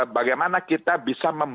bagaimana kita bisa memperbaiki